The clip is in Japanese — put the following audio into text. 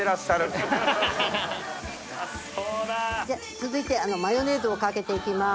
続いてマヨネーズもかけて行きます。